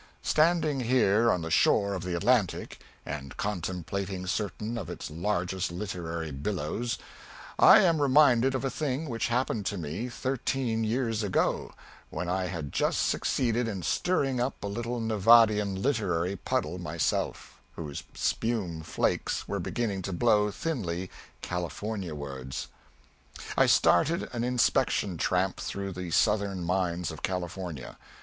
Standing here on the shore of the Atlantic and contemplating certain of its largest literary billows, I am reminded of a thing which happened to me thirteen years ago, when I had just succeeded in stirring up a little Nevadian literary puddle myself, whose spume flakes were beginning to blow thinly Californiawards. I started an inspection tramp through the southern mines of California.